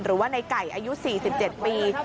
หรือว่าในไก่อายุ๔๗ปี